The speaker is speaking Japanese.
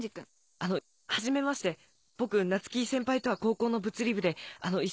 あのはじめまして僕夏希先輩とは高校の物理部で。